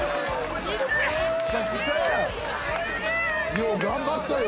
よう頑張ったよ。